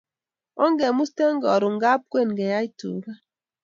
Ongemushten karun kapkwen keyai tuka